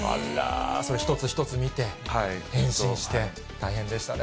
それを一つ一つ見て、返信して、大変でしたね。